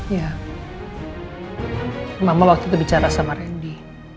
ya mama waktu itu bicara sama randy